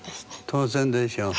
当然でしょう。